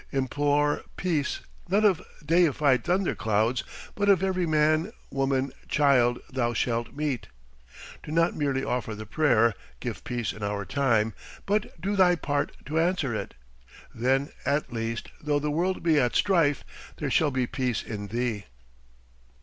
Implore peace not of deified thunder clouds but of every man, woman, child thou shalt meet. Do not merely offer the prayer, "Give peace in our time," but do thy part to answer it! Then, at least, though the world be at strife, there shall be peace in thee.